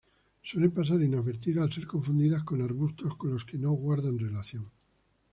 Suelen pasar inadvertidas al ser confundidas con arbustos con los que no guardan relación.